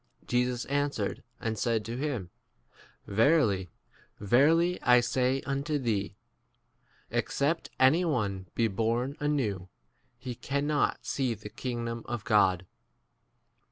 Jesus answered and said to him, Verily, verily, I say un to thee, Except any one be born anewP he cannot see the kingdom 4 of God.